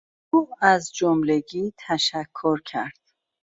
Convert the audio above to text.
او از جملگی تشکر کرد.